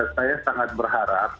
saya sangat berharap